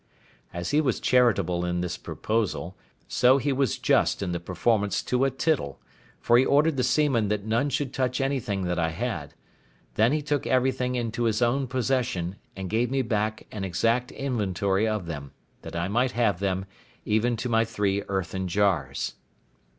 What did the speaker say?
As he was charitable in this proposal, so he was just in the performance to a tittle; for he ordered the seamen that none should touch anything that I had: then he took everything into his own possession, and gave me back an exact inventory of them, that I might have them, even to my three earthen jars.